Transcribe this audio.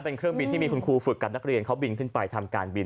เป็นเครื่องบินที่มีคุณครูฝึกกับนักเรียนเขาบินขึ้นไปทำการบิน